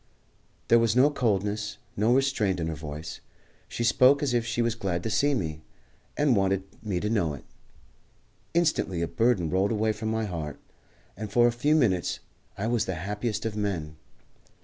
There was no coldness, no restraint in her voice. She spoke as if she was glad to see me, and wanted me to know it. Instantly a burden rolled away from my heart, and for a few minutes I was the happiest of men.